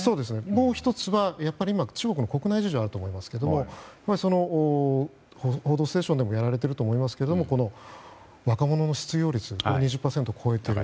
もう１つは今、中国の国内事情にあると思いますが「報道ステーション」でもやられていると思いますけど若者の失業率が２０％を超えている。